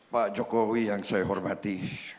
pak jokowi yang saya hormati